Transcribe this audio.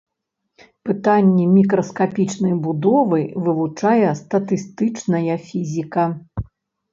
Пытанні мікраскапічнай будовы вывучае статыстычная фізіка.